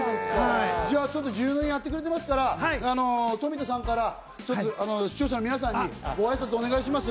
１４年やってくれてますから、富田さんから視聴者の皆さんにご挨拶をお願いします。